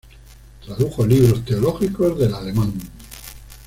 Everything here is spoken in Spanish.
Tradujo libros teológicos del alemán.